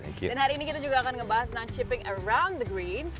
dan hari ini kita juga akan membahas tentang chipping around the green